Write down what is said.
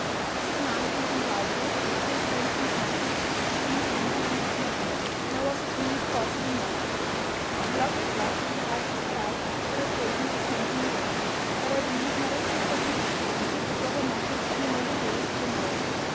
This demand being complied with, he acquainted Miss Matthews that the wounded gentleman was not dead, nor was his wound thought to be mortal: that loss of blood, and perhaps his fright, had occasioned his fainting away; "but I believe, madam," said he, "if you take the proper measures you may be bailed to morrow.